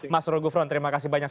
mas rolf gufron terima kasih banyak